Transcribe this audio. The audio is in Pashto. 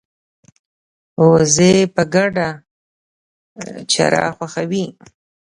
وزې په ګډه چرا خوښوي